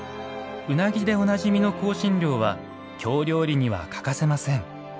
うなぎでおなじみの香辛料は京料理には欠かせません。